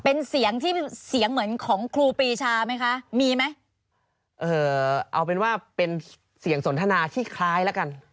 เป็นเสียงที่เสียงเหมือนของครูปีชาไหมคะมีไหมเอ่อเอาเป็นว่าเป็นเสียงสนทนาที่คล้ายแล้วกัน